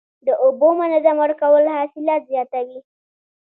د اوبو منظم ورکول حاصلات زیاتوي.